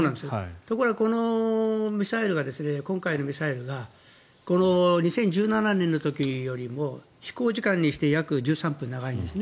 ところが、このミサイルが今回のミサイルが２０１７年の時よりも飛行時間にして約１３分長いんですね。